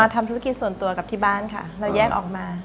ทำธุรกิจส่วนตัวกับที่บ้านค่ะเราแยกออกมา